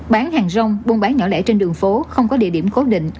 bán hàng rong buôn bán nhỏ lẻ trên đường phố không có địa điểm cố định